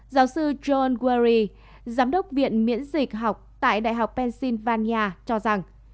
giáo sư john wari giám đốc viện miễn dịch học tại đại học pennsylvania cho rằng